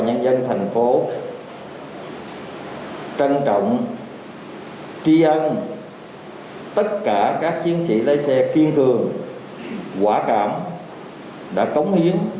nhân dân thành phố trân trọng tri ân tất cả các chiến sĩ lái xe kiên cường quả cảm đã cống hiến